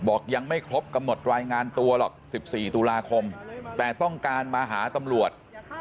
ยังไม่ครบกำหนดรายงานตัวหรอก๑๔ตุลาคมแต่ต้องการมาหาตำรวจ